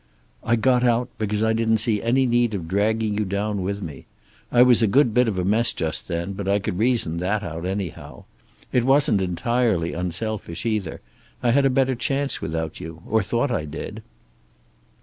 "I got out, because I didn't see any need of dragging you down with me. I was a good bit of a mess just then, but I could reason that out, anyhow. It wasn't entirely unselfish, either. I had a better chance without you. Or thought I did."